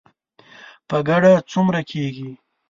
په ګډه څومره کیږي؟